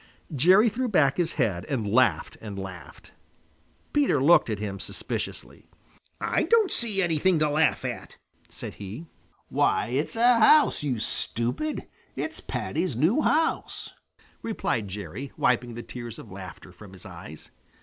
Jerry threw back his head and laughed and laughed. Peter looked at him suspiciously. "I don't see anything to laugh at," said he. "Why, it's a house, you stupid. It's Paddy's new house," replied Jerry, wiping the tears of laughter from his eyes.